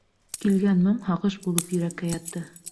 Килгән моң һағыш булып йөрәккә ятты.